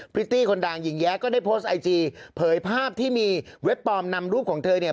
พริตตี้คนดังหญิงแย้ก็ได้โพสต์ไอจีเผยภาพที่มีเว็บปลอมนำรูปของเธอเนี่ย